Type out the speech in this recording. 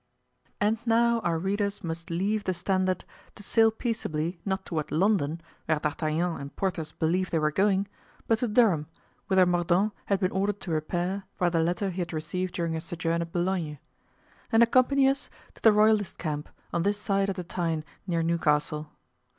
And now our readers must leave the Standard to sail peaceably, not toward London, where D'Artagnan and Porthos believed they were going, but to Durham, whither Mordaunt had been ordered to repair by the letter he had received during his sojourn at Boulogne, and accompany us to the royalist camp, on this side of the Tyne, near Newcastle.